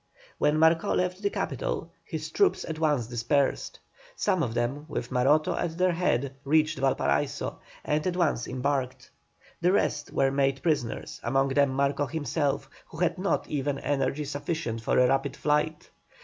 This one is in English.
When Marcó left the capital, his troops at once dispersed. Some of them, with Maroto at their head, reached Valparaiso, and at once embarked. The rest were made prisoners, among them Marcó himself, who had not even energy sufficient for a rapid flight.